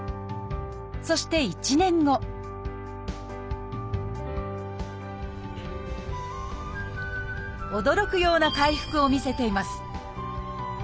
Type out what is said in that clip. そして驚くような回復を見せています